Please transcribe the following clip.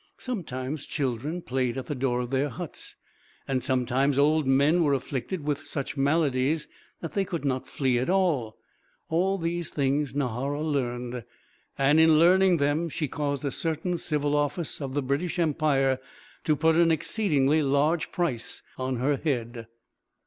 Sometimes children played at the door of their huts, and sometimes old men were afflicted with such maladies that they could not flee at all. All these things Nahara learned; and in learning them she caused a certain civil office of the British Empire to put an exceedingly large price on her head.